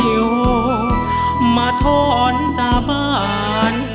โหมาท้อนสาบาน